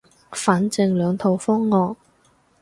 反正兩套方案